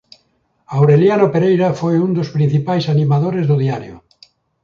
Aureliano Pereira foi un dos principais animadores do diario.